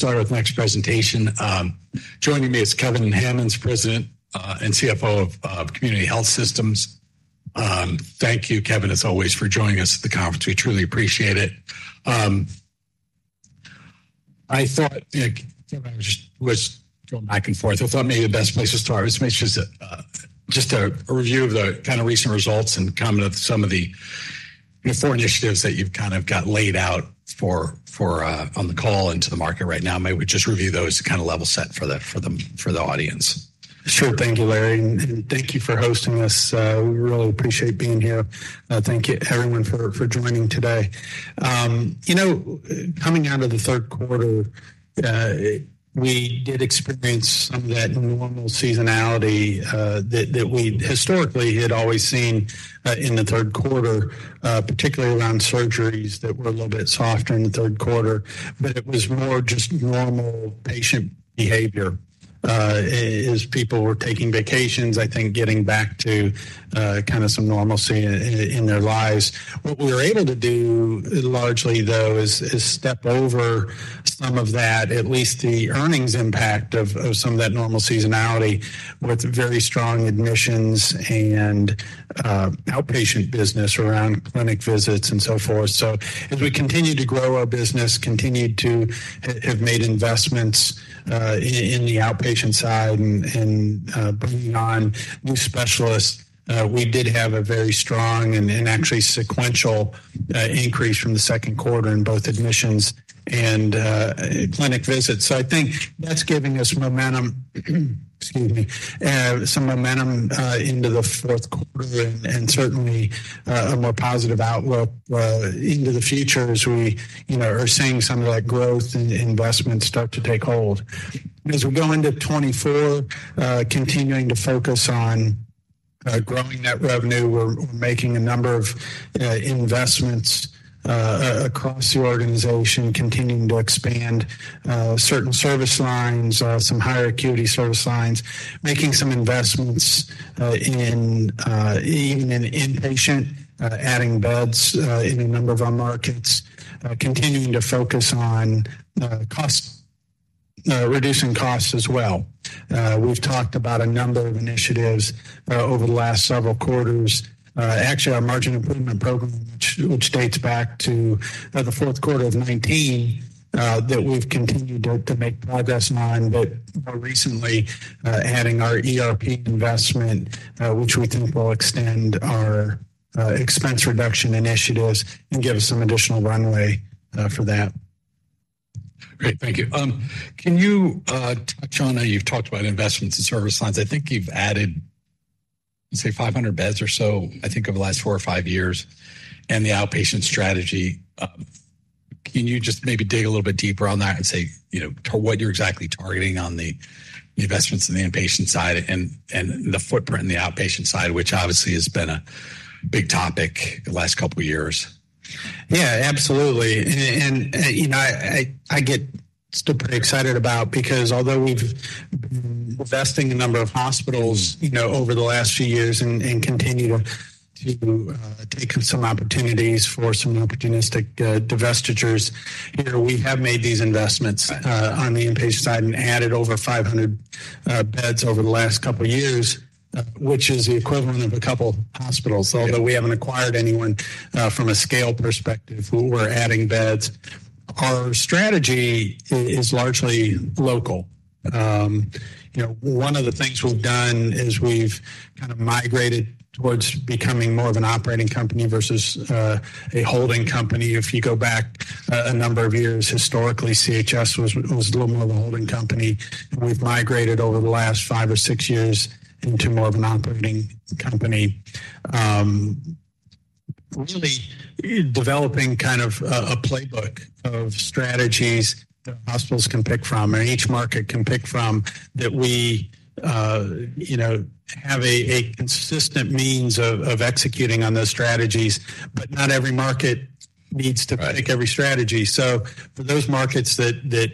Start with the next presentation. Joining me is Kevin Hammons, President and CFO of Community Health Systems. Thank you, Kevin, as always, for joining us at the conference. We truly appreciate it. I thought, you know, Kevin, just was going back and forth. I thought maybe the best place to start is make sure just a review of the kind of recent results and comment of some of the four initiatives that you've kind of got laid out for on the call into the market right now. Maybe we just review those to kind of level set for the audience. Sure. Thank you, Larry, and thank you for hosting this. We really appreciate being here. Thank you, everyone, for joining today. You know, coming out of the third quarter, we did experience some of that normal seasonality that we historically had always seen in the third quarter, particularly around surgeries that were a little bit softer in the third quarter. But it was more just normal patient behavior, as people were taking vacations, I think getting back to kind of some normalcy in their lives. What we were able to do largely, though, is step over some of that, at least the earnings impact of some of that normal seasonality, with very strong admissions and outpatient business around clinic visits and so forth. So as we continue to grow our business, continued to have made investments in the outpatient side and bringing on new specialists, we did have a very strong and actually sequential increase from the second quarter in both admissions and clinic visits. So I think that's giving us momentum, excuse me, some momentum into the fourth quarter and certainly a more positive outlook into the future as we, you know, are seeing some of that growth and investment start to take hold. As we go into 2024, continuing to focus on growing net revenue, we're making a number of investments across the organization, continuing to expand certain service lines, some higher acuity service lines, making some investments in even in inpatient, adding beds in a number of our markets, continuing to focus on cost, reducing costs as well. We've talked about a number of initiatives over the last several quarters. Actually, our Margin Improvement Program, which dates back to the fourth quarter of 2019, that we've continued to make progress on, but more recently, adding our ERP investment, which we think will extend our expense reduction initiatives and give us some additional runway for that. Great. Thank you. Can you touch on, you've talked about investments in service lines. I think you've added, say, 500 beds or so, I think, over the last 4 or 5 years, and the outpatient strategy. Can you just maybe dig a little bit deeper on that and say, you know, to what you're exactly targeting on the, the investments in the inpatient side and, and the footprint in the outpatient side, which obviously has been a big topic the last couple of years? Yeah, absolutely. And you know, I get still pretty excited about, because although we've divesting a number of hospitals, you know, over the last few years and continue to take some opportunities for some opportunistic divestitures, you know, we have made these investments on the inpatient side and added over 500 beds over the last couple of years, which is the equivalent of a couple hospitals. So although we haven't acquired anyone from a scale perspective, we were adding beds. Our strategy is largely local. You know, one of the things we've done is we've kind of migrated towards becoming more of an operating company versus a holding company. If you go back a number of years, historically, CHS was a little more of a holding company, and we've migrated over the last five or six years into more of an operating company. Really developing kind of a playbook of strategies that hospitals can pick from, or each market can pick from, that we you know have a consistent means of executing on those strategies, but not every market needs to pick every strategy. So for those markets that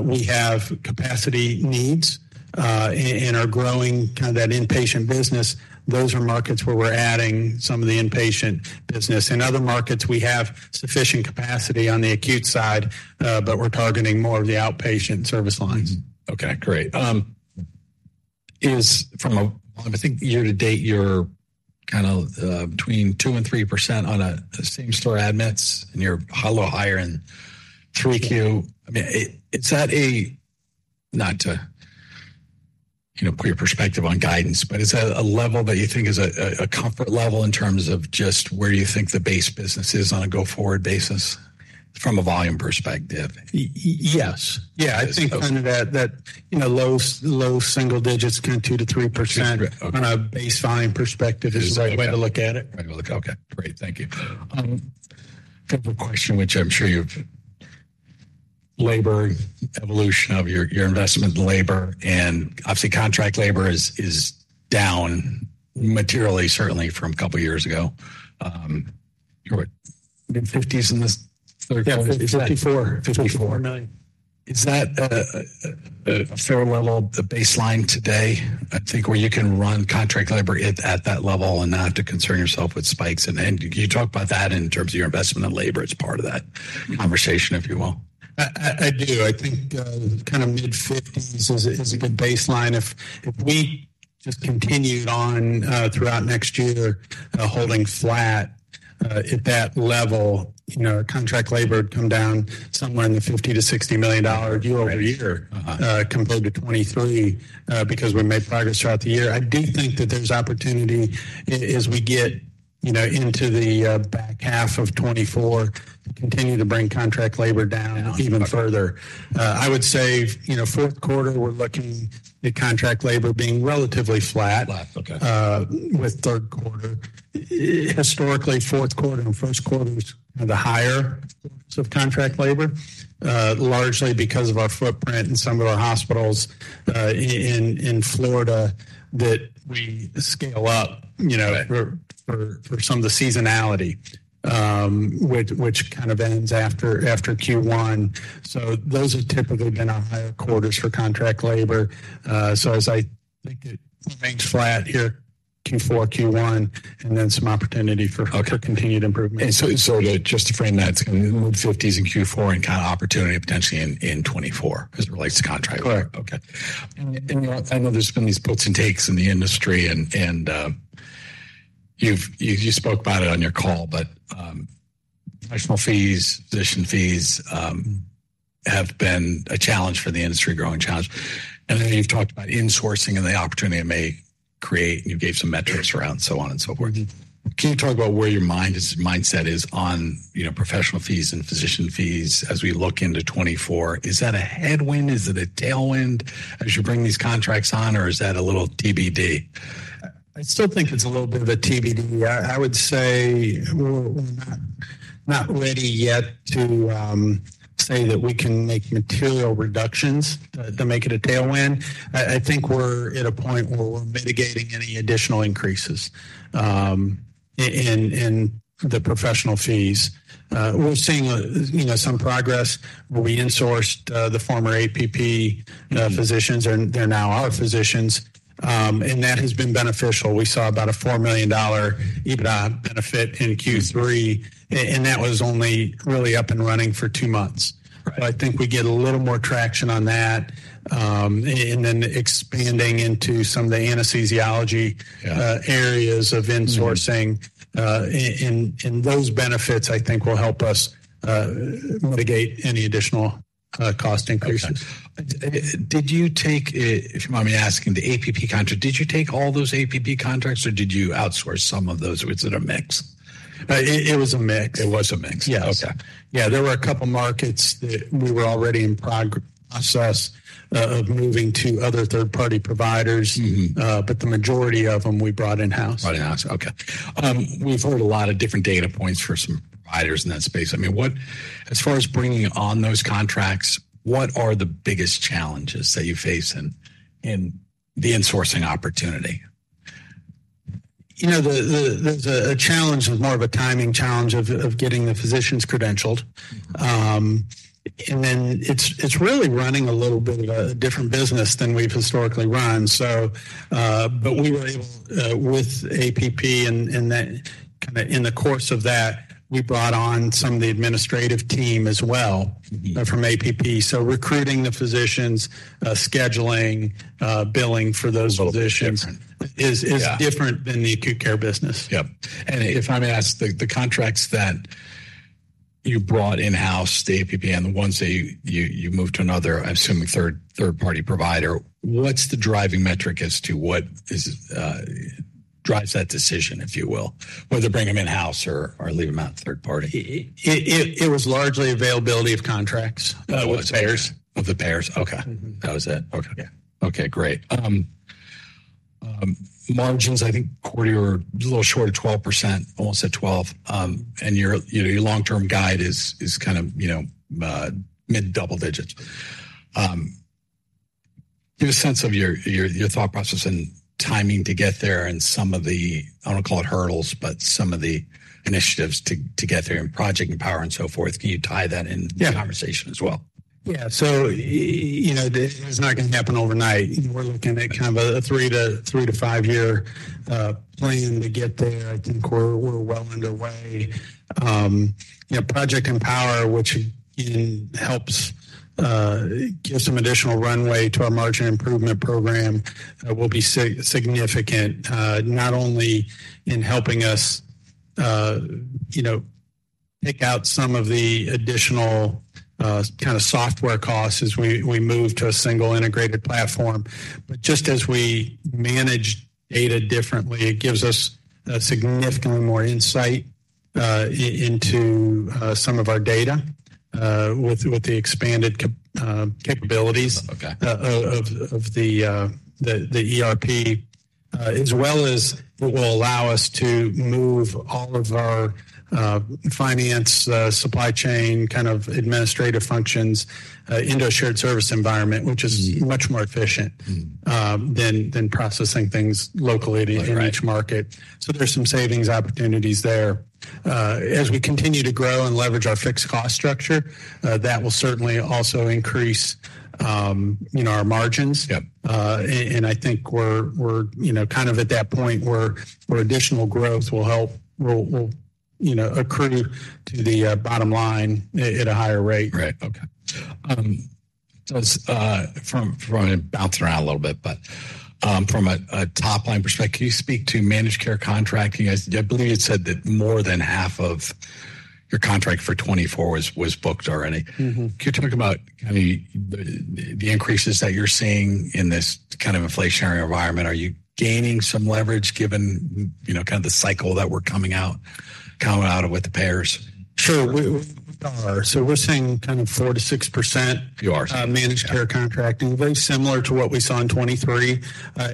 we have capacity needs and are growing kind of that inpatient business, those are markets where we're adding some of the inpatient business. In other markets, we have sufficient capacity on the acute side, but we're targeting more of the outpatient service lines. Okay, great. Is from a, I think, year to date, you're kind of between 2%-3% on a same-store admits, and you're a little higher in 3Q. I mean, is that a, not to, you know, put your perspective on guidance, but is that a level that you think is a comfort level in terms of just where you think the base business is on a go-forward basis from a volume perspective? Yes. Yeah, I think kind of that, you know, low single digits, kind of 2%-3%. Okay. on a baseline perspective is the right way to look at it. Okay, great. Thank you. Couple of questions, which I'm sure you've labored over the evolution of your investment in labor, and obviously contract labor is down materially, certainly from a couple of years ago. You're what? Mid-50s in this- Yeah, fifty-four. $54 million. Is that a fair level, the baseline today, I think, where you can run contract labor at that level and not have to concern yourself with spikes? And then can you talk about that in terms of your investment in labor as part of that conversation, if you will? I do. I think kind of mid-50s is a good baseline. If we just continued on throughout next year, holding flat at that level, you know, contract labor come down somewhere in the $50-$60 million year-over-year compared to 2023 because we made progress throughout the year. I do think that there's opportunity as we get, you know, into the back half of 2024, continue to bring contract labor down even further. I would say, you know, fourth quarter, we're looking at contract labor being relatively flat. Flat, okay. With third quarter. Historically, fourth quarter and first quarter was the higher of contract labor, largely because of our footprint in some of our hospitals in Florida, that we scale up, you know, for some of the seasonality, which kind of ends after Q1. So those have typically been our higher quarters for contract labor. So as I think it remains flat here, Q4, Q1, and then some opportunity for- Okay. Continued improvement. So just to frame that, it's gonna move 50s in Q4 and kind of opportunity potentially in 2024 as it relates to contract? Correct. Okay. I know there's been these gives and takes in the industry and you spoke about it on your call, but professional fees, physician fees have been a challenge for the industry, growing challenge. And then you've talked about insourcing and the opportunity it may create, and you gave some metrics around, so on and so forth Can you talk about where your mind is-- mindset is on, you know, professional fees and physician fees as we look into 2024? Is that a headwind? Is it a tailwind as you bring these contracts on, or is that a little TBD? I still think it's a little bit of a TBD. I would say we're not ready yet to say that we can make material reductions to make it a tailwind. I think we're at a point where we're mitigating any additional increases in the professional fees. We're seeing, you know, some progress. We insourced the former APP physicians, and they're now our physicians, and that has been beneficial. We saw about a $4 million EBITDA benefit in Q3, and that was only really up and running for two months. Right. But I think we get a little more traction on that, and then expanding into some of the anesthesiology-... areas of insourcing and those benefits, I think, will help us mitigate any additional cost increases. Okay. Did you take, if you don't mind me asking, the APP contract, did you take all those APP contracts, or did you outsource some of those, or was it a mix? It was a mix. It was a mix. Yes. Okay. Yeah, there were a couple of markets that we were already in progress of moving to other third-party providers. But the majority of them, we brought in-house. Brought in-house. Okay. We've heard a lot of different data points for some providers in that space. I mean, what, as far as bringing on those contracts, what are the biggest challenges that you face in, in the insourcing opportunity? You know, the challenge is more of a timing challenge of getting the physicians credentialed. Mm-hmm. And then it's really running a little bit of a different business than we've historically run. So, but we were able, with APP and that, kinda in the course of that, we brought on some of the administrative team as well- Mm-hmm... from APP. So recruiting the physicians, scheduling, billing for those physicians- Different... is different- than the acute care business. Yep. And if I may ask, the contracts that you brought in-house, the APP, and the ones that you moved to another, I'm assuming third-party provider, what's the driving metric as to what drives that decision, if you will, whether to bring them in-house or leave them out third party? It was largely availability of contracts with the payers. Of the payers? Okay. That was it. Okay. Okay, great. Margins, I think, quarter, were a little short of 12%, almost at 12. Your, you know, your long-term guide is kind of, you know, mid-double digits. Give a sense of your thought process and timing to get there and some of the, I don't call it hurdles, but some of the initiatives to get there in Project Empower and so forth. Can you tie that in- the conversation as well? Yeah. So, you know, this is not gonna happen overnight. We're looking at kind of a three- to five-year plan to get there. I think we're well underway. You know, Project Empower, which helps give some additional runway to our Margin Improvement Program, will be significant, not only in helping us, you know, pick out some of the additional kind of software costs as we move to a single integrated platform, but just as we manage data differently, it gives us significantly more insight into some of our data with the expanded capabilities- Okay... of the ERP, as well as it will allow us to move all of our finance, supply chain, kind of administrative functions into a shared service environment, which is much more efficient-... than processing things locally- Right - in each market. So there's some savings opportunities there. As we continue to grow and leverage our fixed cost structure, that will certainly also increase, you know, our margins. Yep. And I think we're, you know, kind of at that point where additional growth will help, you know, accrue to the bottom line at a higher rate. Right. Okay. So, from bouncing around a little bit, but, from a top-line perspective, can you speak to managed care contracting? I believe you said that more than half of your contract for 2024 was booked alread Can you talk about kind of the increases that you're seeing in this kind of inflationary environment? Are you gaining some leverage given, you know, kind of the cycle that we're coming out, coming out of with the payers? Sure, we are. So we're seeing kind of 4%-6%. You are. - managed care contracting, very similar to what we saw in 2023,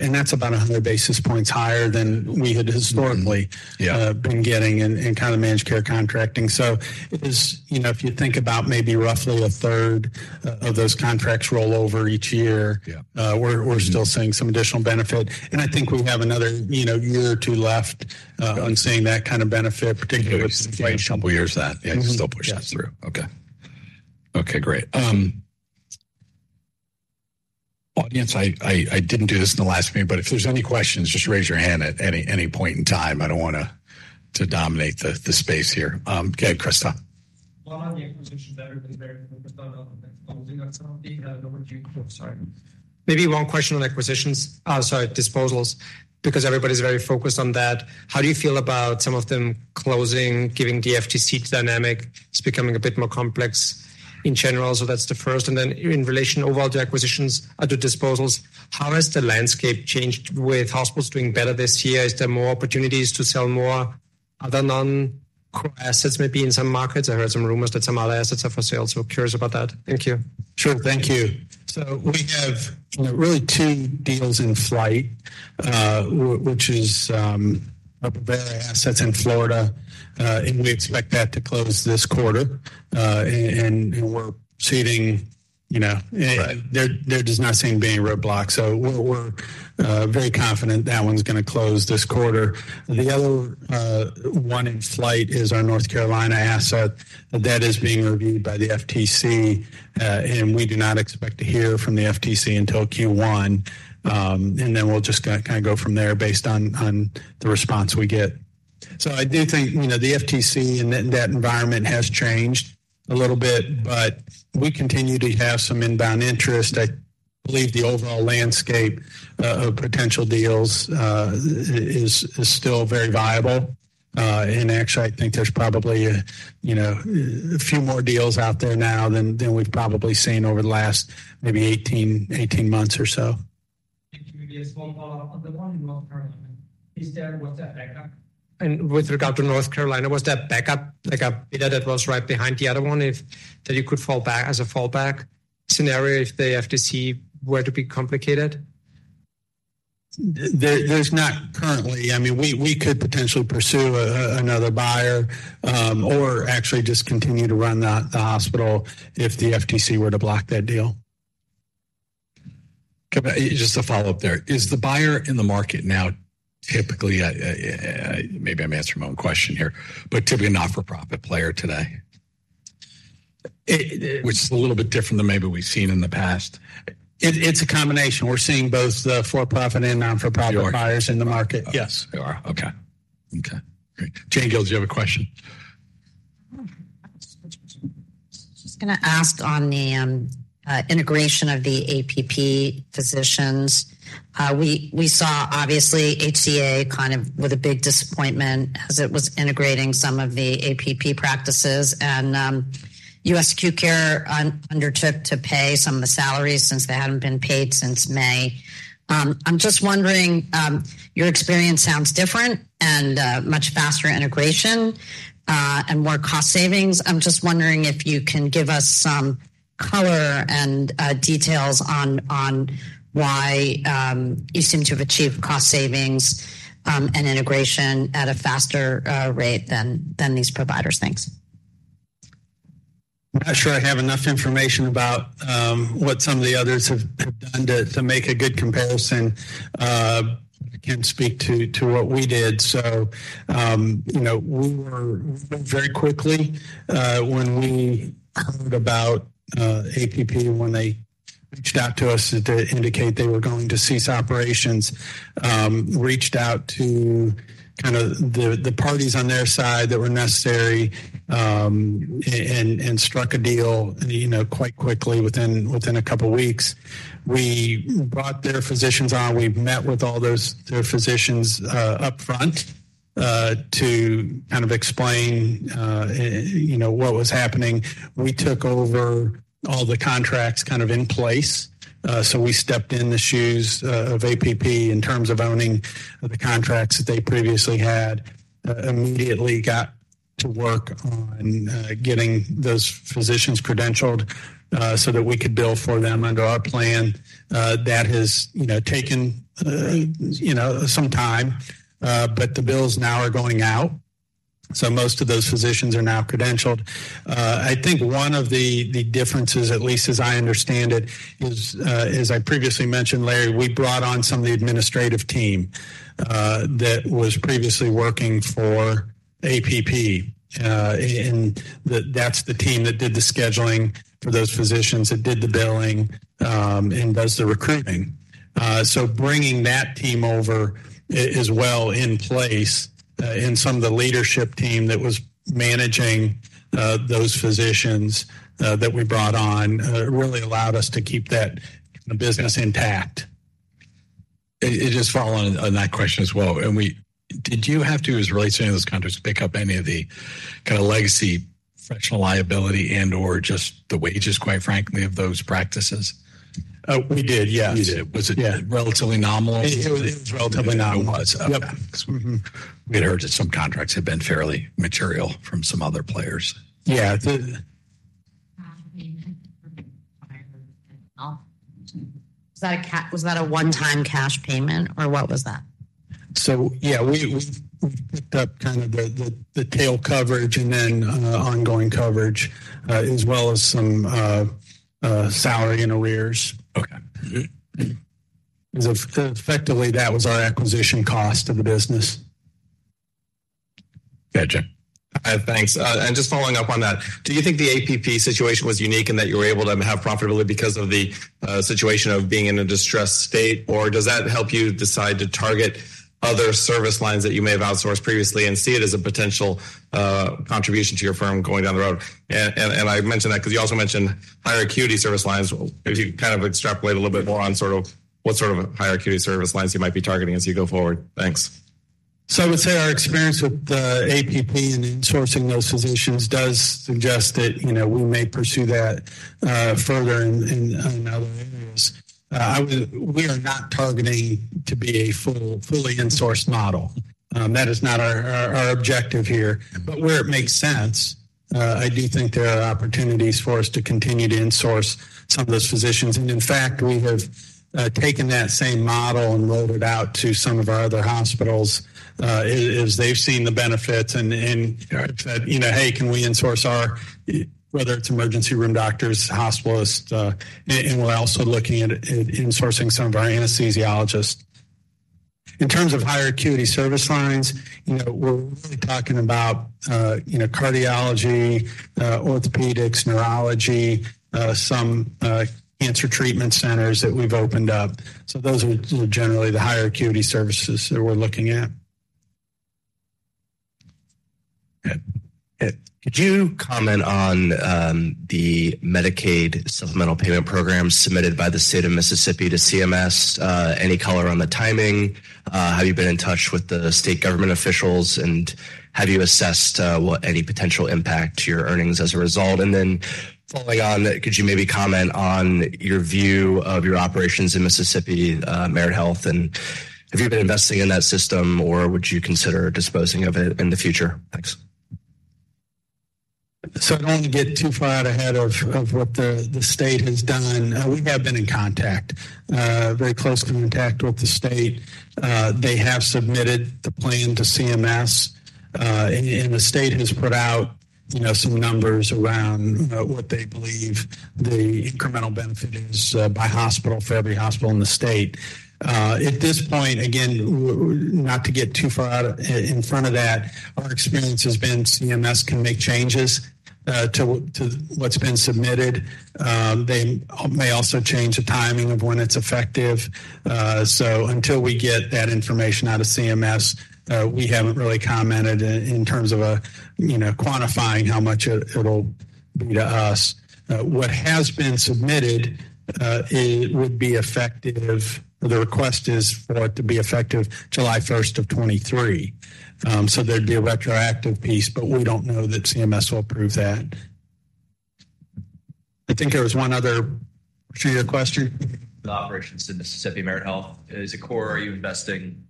and that's about 100 basis points higher than we had historically- been getting in kind of managed care contracting. So it is, you know, if you think about maybe roughly a third of those contracts roll over each year- We're still seeing some additional benefit, and I think we have another, you know, year or two left on seeing that kind of benefit, particularly with inflation. A couple of years that- Mm-hmm. You can still push this through. Okay. Okay, great. Audience, I didn't do this in the last meeting, but if there's any questions, just raise your hand at any point in time. I don't want to dominate the space here. Go ahead, Krista. Maybe one question on acquisitions, sorry, disposals, because everybody's very focused on that. How do you feel about some of them closing, given the FTC dynamic? It's becoming a bit more complex in general. So that's the first. And then in relation overall to acquisitions and to disposals, how has the landscape changed with hospitals doing better this year? Is there more opportunities to sell more other non-core assets, maybe in some markets? I heard some rumors that some other assets are for sale, so curious about that. Thank you. Sure. Thank you. So we have, you know, really two deals in flight, which is a variety of assets in Florida, and we expect that to close this quarter. And we're seeing, you know- Right... there does not seem to be any roadblocks, so we're very confident that one's gonna close this quarter. The other one in flight is our North Carolina asset. That is being reviewed by the FTC, and we do not expect to hear from the FTC until Q1. And then we'll just kind of go from there based on the response we get. So I do think, you know, the FTC and that environment has changed a little bit, but we continue to have some inbound interest. I believe the overall landscape of potential deals is still very viable. And actually, I think there's probably a, you know, a few more deals out there now than we've probably seen over the last maybe 18 months or so. Thank you. Just one follow-up. On the one in North Carolina, is there—what's the backup? And with regard to North Carolina, was that backup, like a date that was right behind the other one, if that you could fall back as a fallback scenario, if the FTC were to be complicated? There's not currently. I mean, we could potentially pursue another buyer, or actually just continue to run the hospital if the FTC were to block that deal. Just a follow-up there. Is the buyer in the market now, typically, maybe I'm answering my own question here, but typically a not-for-profit player today? Which is a little bit different than maybe we've seen in the past. It's a combination. We're seeing both the for-profit and non-for-profit buyers in the market. Yes, we are. Okay. Okay, great. Jane Gill, do you have a question? Just gonna ask on the integration of the APP physicians. We saw obviously HCA kind of with a big disappointment as it was integrating some of the APP practices, and USACS undertook to pay some of the salaries since they hadn't been paid since May. I'm just wondering your experience sounds different and much faster integration and more cost savings. I'm just wondering if you can give us some color and details on why you seem to have achieved cost savings and integration at a faster rate than these providers. Thanks. I'm not sure I have enough information about what some of the others have done to make a good comparison. I can speak to what we did. So, you know, we were very quickly when we heard about APP, when they reached out to us to indicate they were going to cease operations, reached out to kind of the parties on their side that were necessary, and struck a deal, you know, quite quickly, within a couple of weeks. We brought their physicians on. We met with all those, their physicians, upfront to kind of explain, you know, what was happening. We took over all the contracts kind of in place. So we stepped in the shoes of APP in terms of owning the contracts that they previously had. Immediately got to work on getting those physicians credentialed so that we could bill for them under our plan. That has, you know, taken, you know, some time, but the bills now are going out, so most of those physicians are now credentialed. I think one of the differences, at least as I understand it, is, as I previously mentioned, Larry, we brought on some of the administrative team that was previously working for APP. And that's the team that did the scheduling for those physicians, that did the billing, and does the recruiting. So bringing that team over is well in place, and some of the leadership team that was managing those physicians that we brought on really allowed us to keep that business intact. Just following on that question as well, did you have to, as you're really saying in this context, pick up any of the kind of legacy professional liability and/or just the wages, quite frankly, of those practices? We did, yes. You did. Was it- -relatively nominal? It was relatively nominal. It was, okay. We'd heard that some contracts had been fairly material from some other players. Was that a one-time cash payment, or what was that? Yeah, we picked up kind of the tail coverage and then ongoing coverage as well as some salary and arrears. Okay. Mm-hmm. So effectively, that was our acquisition cost of the business. Gotcha. Thanks. And just following up on that, do you think the APP situation was unique in that you were able to have profitability because of the situation of being in a distressed state? Or does that help you decide to target other service lines that you may have outsourced previously and see it as a potential contribution to your firm going down the road? And I mentioned that because you also mentioned higher acuity service lines. If you kind of extrapolate a little bit more on sort of what sort of higher acuity service lines you might be targeting as you go forward. Thanks. So I would say our experience with the APP and insourcing those physicians does suggest that, you know, we may pursue that further in other areas. We are not targeting to be a full, fully insourced model. That is not our objective here. But where it makes sense, I do think there are opportunities for us to continue to insource some of those physicians. And in fact, we have taken that same model and rolled it out to some of our other hospitals, as they've seen the benefits and said, "You know, hey, can we insource our whether it's emergency room doctors, hospitalists..." And we're also looking at insourcing some of our anesthesiologists. In terms of higher acuity service lines, you know, we're really talking about, you know, cardiology, orthopedics, neurology, some cancer treatment centers that we've opened up. So those are generally the higher acuity services that we're looking at. Good. Could you comment on the Medicaid Supplemental Payment programs submitted by the state of Mississippi to CMS? Any color on the timing? Have you been in touch with the state government officials, and have you assessed what any potential impact to your earnings as a result? And then following on, could you maybe comment on your view of your operations in Mississippi, Merit Health, and have you been investing in that system, or would you consider disposing of it in the future? Thanks. So I don't want to get too far out ahead of what the state has done. We have been in contact, very close contact with the state. They have submitted the plan to CMS, and the state has put out, you know, some numbers around what they believe the incremental benefit is, by hospital for every hospital in the state. At this point, again, not to get too far out in front of that, our experience has been CMS can make changes to what's been submitted. They may also change the timing of when it's effective. So until we get that information out of CMS, we haven't really commented in terms of, you know, quantifying how much it'll be to us. What has been submitted, it would be effective... The request is for it to be effective July first of 2023. So there'd be a retroactive piece, but we don't know that CMS will approve that. I think there was one other question. The operations in Mississippi, Merit Health, is it core, are you investing?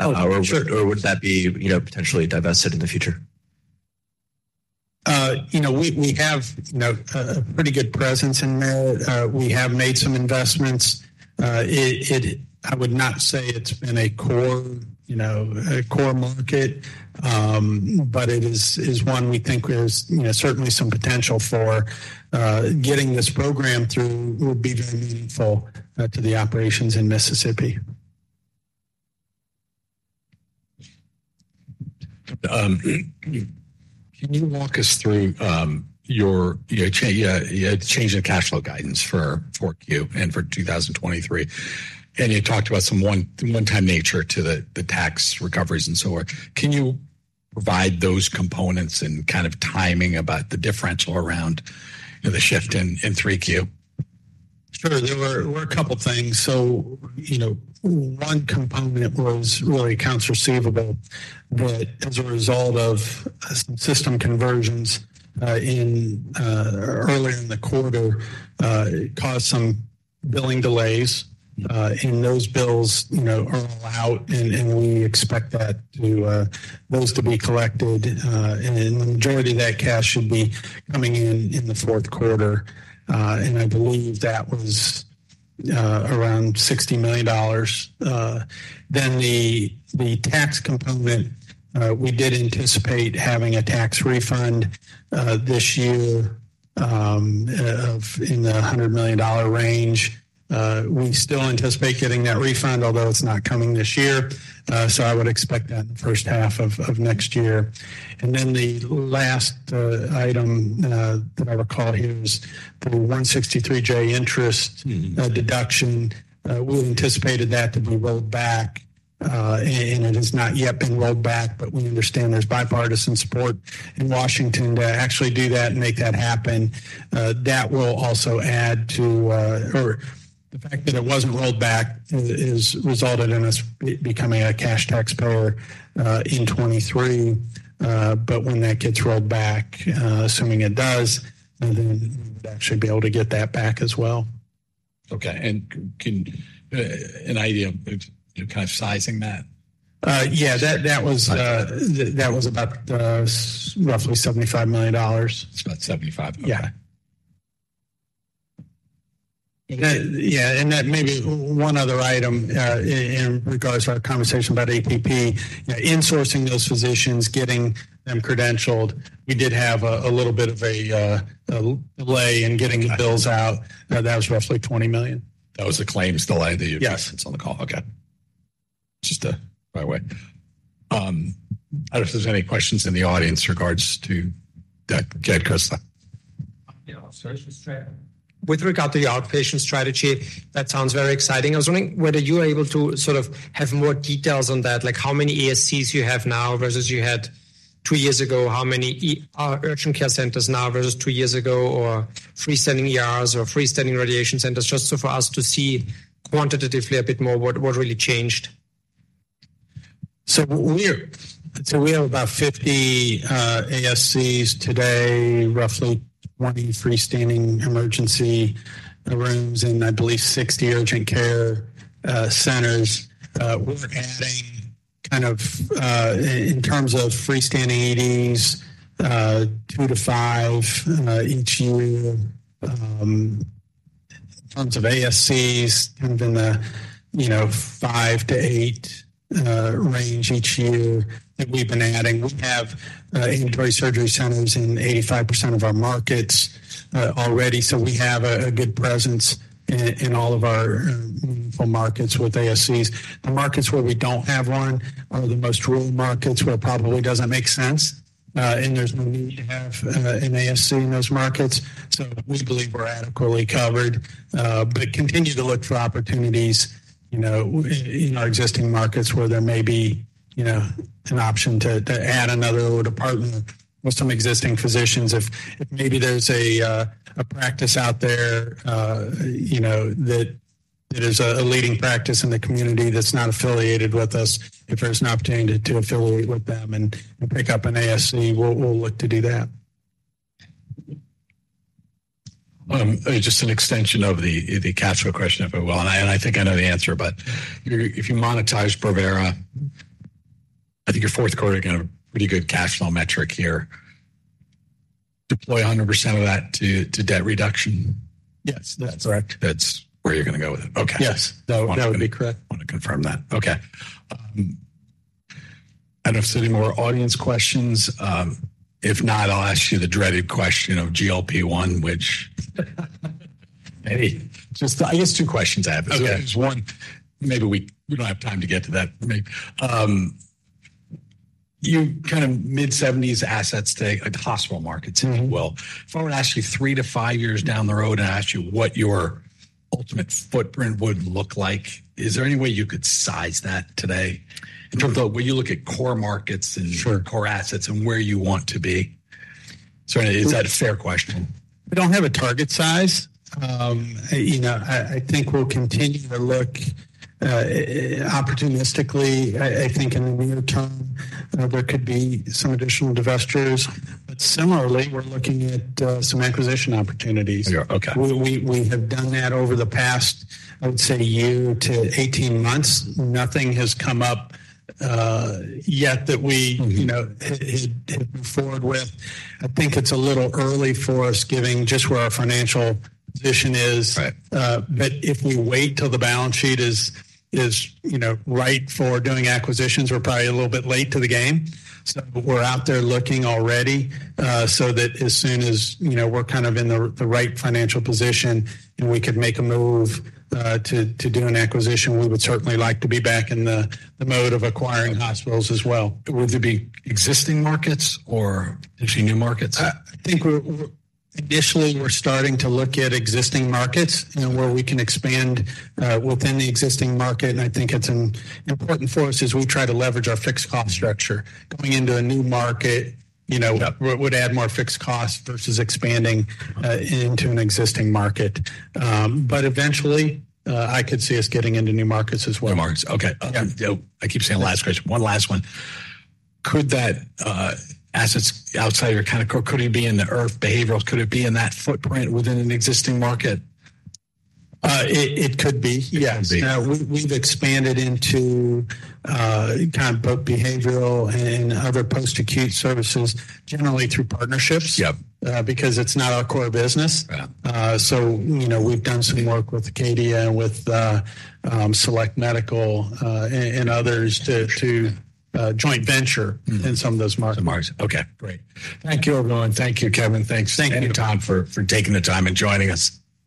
Oh, sure. Or would that be, you know, potentially divested in the future? You know, we have you know, a pretty good presence in Merit. We have made some investments. It... I would not say it's been a core, you know, a core market, but it is one we think there's you know, certainly some potential for, getting this program through will be very meaningful to the operations in Mississippi. Can you walk us through your change in cash flow guidance for 4Q and for 2023? And you talked about some one-time nature to the tax recoveries and so on. Can you provide those components and kind of timing about the differential around, you know, the shift in 3Q? Sure. There were a couple of things. So, you know, one component was really accounts receivable, but as a result of some system conversions in earlier in the quarter, it caused some billing delays, and those bills, you know, are all out, and we expect that to those to be collected, and the majority of that cash should be coming in in the fourth quarter. And I believe that was around $60 million. Then the tax component, we did anticipate having a tax refund this year of in the $100 million range. We still anticipate getting that refund, although it's not coming this year. So I would expect that in the first half of next year. And then the last item that I recall here is the 163(j) interest- Mm-hmm. - deduction. We anticipated that to be rolled back, and it has not yet been rolled back, but we understand there's bipartisan support in Washington to actually do that and make that happen. That will also add to, or the fact that it wasn't rolled back resulted in us becoming a cash taxpayer in 2023. But when that gets rolled back, assuming it does, we should be able to get that back as well. Okay. And can an idea of, you know, kind of sizing that? Yeah, that was about roughly $75 million. It's about 75? Okay. Yeah, and that maybe one other item in regards to our conversation about APP. You know, insourcing those physicians, getting them credentialed, we did have a little bit of a delay in getting the bills out. Okay. That was roughly $20 million. That was a claims delay that you- Yes. It's on the call. Okay. Just, by the way. I don't know if there's any questions in the audience in regards to that, Jed, 'cause- Yeah. With regard to the outpatient strategy, that sounds very exciting. I was wondering whether you are able to sort of have more details on that, like how many ASCs you have now versus you had two years ago? How many urgent care centers now versus two years ago, or freestanding ERs or freestanding radiation centers, just so for us to see quantitatively a bit more what, what really changed. So we have about 50 ASCs today, roughly 20 freestanding emergency rooms, and I believe 60 urgent care centers. We're adding kind of in terms of freestanding EDs, 2-5 each year. In terms of ASCs, kind of in the, you know, 5-8 range each year that we've been adding. We have ambulatory surgery centers in 85% of our markets already, so we have a good presence in all of our meaningful markets with ASCs. The markets where we don't have one are the most rural markets, where it probably doesn't make sense, and there's no need to have an ASC in those markets. So we believe we're adequately covered, but continue to look for opportunities, you know, in our existing markets where there may be, you know, an option to add another department with some existing physicians. If maybe there's a practice out there, you know, that is a leading practice in the community that's not affiliated with us, if there's an opportunity to affiliate with them and pick up an ASC, we'll look to do that. Just an extension of the cash flow question, if I well, and I think I know the answer, but if you monetize Bravera, I think your fourth quarter had a pretty good cash flow metric here. Deploy 100% of that to debt reduction? Yes, that's correct. That's where you're gonna go with it. Okay. Yes, that would be correct. I want to confirm that. Okay. I don't know if there's any more audience questions. If not, I'll ask you the dreaded question of GLP-1, which- Maybe. Just, I guess two questions I have. Okay. There's one, maybe we don't have time to get to that, maybe. You kind of mid-seventies assets to hospital markets as well. If I were to ask you 3-5 years down the road and ask you what your ultimate footprint would look like, is there any way you could size that today? In terms of when you look at core markets and- Sure. core assets and where you want to be. So is that a fair question? We don't have a target size. You know, I think we'll continue to look opportunistically. I think in the near term, there could be some additional divestitures, but similarly, we're looking at some acquisition opportunities. Okay. We have done that over the past, I would say, year to 18 months. Nothing has come up yet that we-... you know, have moved forward with. I think it's a little early for us, given just where our financial position is. Right. But if we wait till the balance sheet is, you know, right for doing acquisitions, we're probably a little bit late to the game. So we're out there looking already, so that as soon as, you know, we're kind of in the right financial position and we could make a move, to do an acquisition, we would certainly like to be back in the mode of acquiring hospitals as well. Would they be existing markets or potentially new markets? I think we're initially starting to look at existing markets and where we can expand within the existing market, and I think it's an important for us as we try to leverage our fixed cost structure. Going into a new market, you know-... would add more fixed costs versus expanding into an existing market. But eventually, I could see us getting into new markets as well. New markets. Okay. I keep saying last question. One last one: Could that, assets outside your kind of core, could it be in the IRF behavioral, could it be in that footprint within an existing market? It could be, yes. It could be. We've expanded into kind of both behavioral and other post-acute services, generally through partnerships- Yep... because it's not our core business. So, you know, we've done some work with Acadia and with Select Medical, and others to joint venture-... in some of those markets. markets. Okay, great. Thank you, everyone. Thank you, Kevin. Thanks. Thank you. Thank you, Tom, for taking the time and joining us.